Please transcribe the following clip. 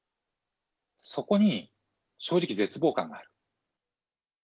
そこに正直絶望感がある。